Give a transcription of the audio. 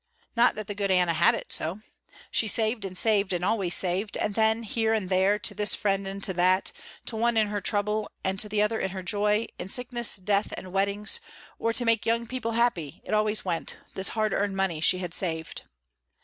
Not that the good Anna had it so. She saved and saved and always saved, and then here and there, to this friend and to that, to one in her trouble and to the other in her joy, in sickness, death, and weddings, or to make young people happy, it always went, the hard earned money she had saved.